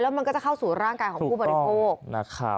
แล้วมันก็จะเข้าสู่ร่างกายของผู้บริโภค